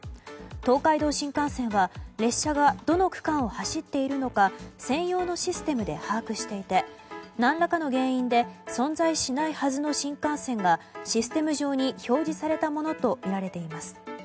東海道新幹線は列車がどの区間を走っているのか専用のシステムで把握していて何らかの原因で存在しないはずの新幹線がシステム上に表示されたものとみられています。